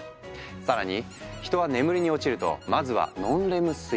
更に人は眠りに落ちるとまずはノンレム睡眠。